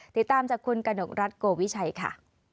ติดตามจากคุณกนกรัฐโกวิชัยค่ะ